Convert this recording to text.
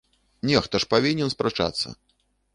Нехта ж павінен спрачацца!